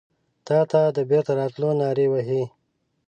تاته د بیرته راتلو نارې وهې